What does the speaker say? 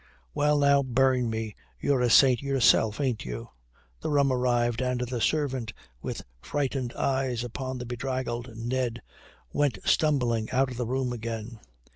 "Well now, burn me, you're a saint yourself, ain't you?" The rum arrived, and the servant, with frightened eyes upon the bedraggled Ned, went stumbling out of the room again.